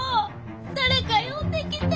誰か呼んできて。